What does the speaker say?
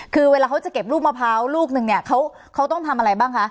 คือเวลาเขาจะเก็บลูกมะพร้าวลูกนึงเนี่ยเขาต้องทำอะไรบ้างคะ